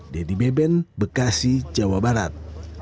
dedy beben bekasi jawa barat